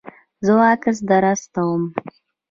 زه عکس در استوم